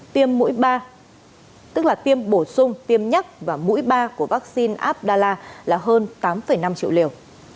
tiêm mũi ba tức là tiêm bổ sung tiêm nhắc và mũi ba của vaccine abdallah là hơn tám năm triệu liều